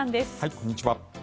こんにちは。